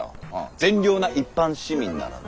善良な一般市民ならな。